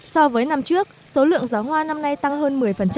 so với năm trước số lượng giáo hoa năm nay tăng hơn một mươi